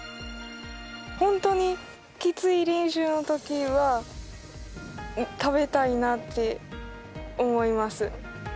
本当にきつい練習のときは食べたいなって思います。